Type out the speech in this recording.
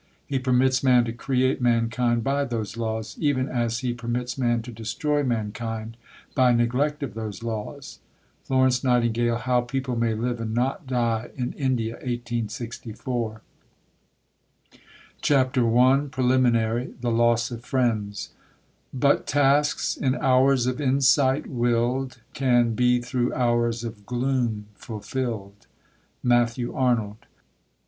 He permits man to create mankind by those laws, even as He permits man to destroy mankind by neglect of those laws. FLORENCE NIGHTINGALE: How People may live and not die in India, 1864. CHAPTER I PRELIMINARY THE LOSS OF FRIENDS But tasks in hours of insight will'd Can be through hours of gloom fulfill'd. MATTHEW ARNOLD.